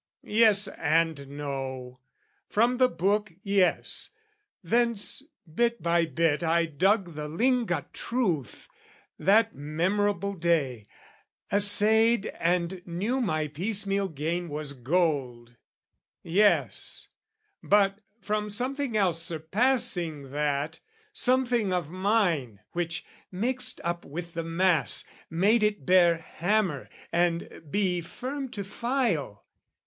Yes and no! From the book, yes; thence bit by bit I dug The lingot truth, that memorable day, Assayed and knew my piecemeal gain was gold, Yes; but from something else surpassing that, Something of mine which, mixed up with the mass, Made it bear hammer and be firm to file.